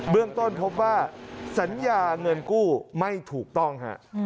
เรื่องต้นพบว่าสัญญาเงินกู้ไม่ถูกต้องฮะ